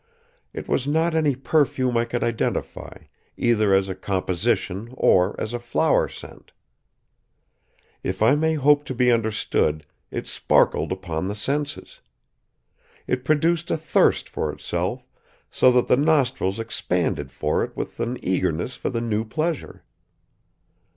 It was not any perfume I could identify, either as a composition or as a flower scent. If I may hope to be understood it sparkled upon the senses. It produced a thirst for itself, so that the nostrils expanded for it with an eagerness for the new pleasure.